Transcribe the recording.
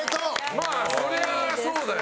まあそりゃあそうだよ。